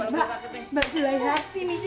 mbak mbak juleha sini sini